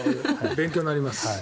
勉強になります。